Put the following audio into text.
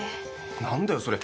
何だよそれ？